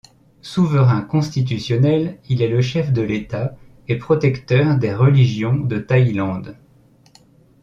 Souverain constitutionnel, il est le chef de l'État et protecteur des religions de Thaïlande.